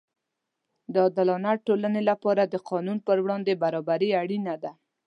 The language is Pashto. د عادلانه ټولنې لپاره د قانون پر وړاندې برابري اړینه ده.